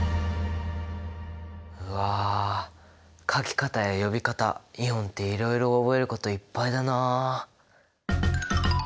うわ書き方や呼び方イオンっていろいろ覚えることいっぱいだな！